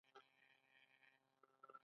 د شوتلې اوبه د وینې پاکولو لپاره وڅښئ